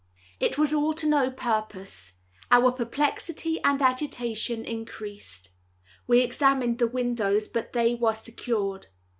It was all to no purpose. Our perplexity and agitation increased. We examined the windows, but they were secured.